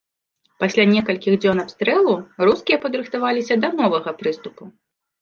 Пасля некалькіх дзён абстрэлу, рускія падрыхтаваліся да новага прыступу.